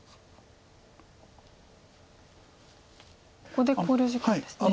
ここで考慮時間ですね。